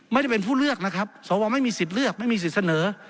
ไม่ได้เป็นผู้เลือกนะครับสวไม่มีสิทธิ์เลือกไม่มีสิทธิ์เสนอ